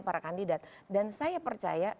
para kandidat dan saya percaya